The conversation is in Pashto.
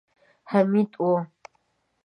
حميد و.